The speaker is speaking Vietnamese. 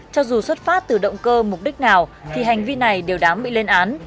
cho dù xuất phát từ động cơ mục đích nào thì hành vi này đều đáng bị lên án